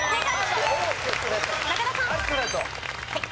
はい。